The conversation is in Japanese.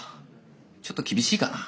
ちょっと厳しいかな。